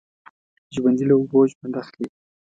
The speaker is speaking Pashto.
ژوندي له اوبو ژوند اخلي